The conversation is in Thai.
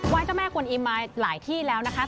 เจ้าแม่กวนอิมมาหลายที่แล้วนะคะ